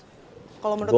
kalau menurut mas anjo